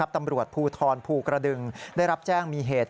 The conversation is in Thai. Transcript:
ตำรวจภูทรภูกระดึงได้รับแจ้งมีเหตุ